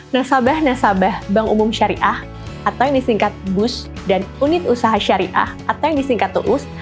nasabah nasabah bank umum syariah atau yang disingkat bus dan unit usaha syariah atau yang disingkat uus